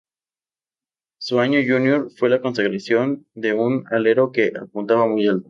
Su año Junior fue la consagración de un alero que apuntaba muy alto.